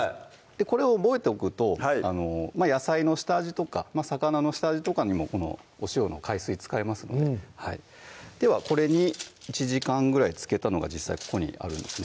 これを覚えておくと野菜の下味とか魚の下味とかにもこのお塩の海水使えますのでではこれに１時間ぐらいつけたのが実際ここにあるんですね